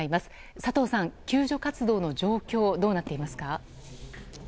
佐藤さん、救助活動の状況どうなっていますか？